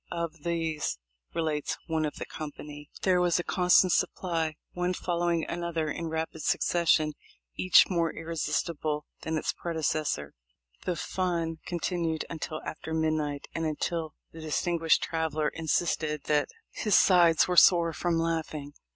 "Of these," relates one of the company,* "there was a constant supply, one following another in rapid succession, each more irresistible than its predecessor. The fun continued until after midnight, and until the distinguished traveller insisted that * Jos. Gillespie, MS. letter, September 6, 1866. 264 THE LIFE 0F LINCOLN. his sides were sore from laughing."